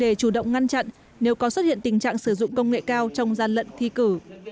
để chủ động ngăn chặn nếu có xuất hiện tình trạng sử dụng công nghệ cao trong gian lận thi cử